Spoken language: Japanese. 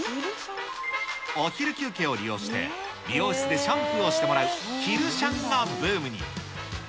お昼休憩を利用して、美容室でシャンプーをしてもらう、昼シャンがブームに。